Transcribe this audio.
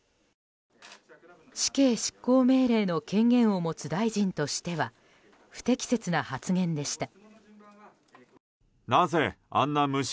死刑執行命令の権限を持つ大臣としては不適切な発言でした。